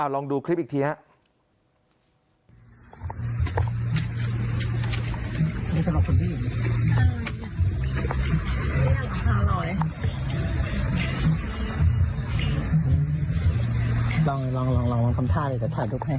ลองดูคลิปอีกทีครับ